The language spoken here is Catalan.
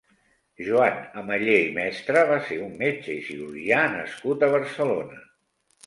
Joan Ameller i Mestre va ser un metge i cirurgià nascut a Barcelona.